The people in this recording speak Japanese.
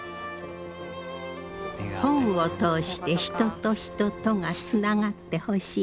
本を通して人と人とがつながってほしい。